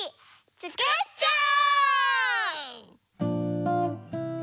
つくっちゃおう！